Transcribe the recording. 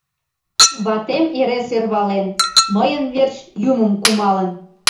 Ватем эре сӧрвален, мыйын верч Юмым кумалын.